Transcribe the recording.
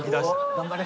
頑張れ。